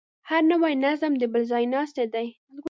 هر نوی نظام د بل ځایناستی دی.